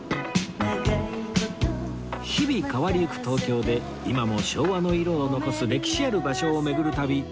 日々変わりゆく東京で今も昭和の色を残す歴史ある場所を巡る旅